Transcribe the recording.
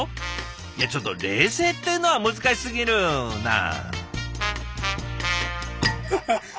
いやちょっと冷製っていうのは難しすぎるなあ。